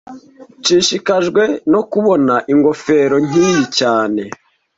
Nshishikajwe no kubona ingofero nkiyi cyane